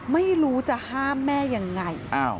ไม่รู้จะห้ามแม่ยังไง